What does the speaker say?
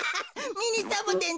ミニサボテンって！